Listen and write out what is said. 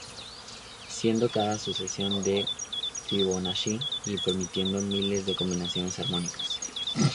Siendo cada una sucesión de Fibonacci y permitiendo miles de combinaciones armónicas.